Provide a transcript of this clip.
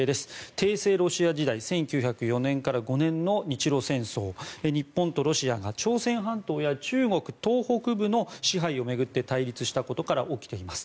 帝政ロシア時代１９０４年から５年の日本とロシアが朝鮮半島や中国東北部の支配を巡って対立したことから起きています。